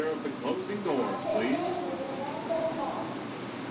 ارتش نیرومند ما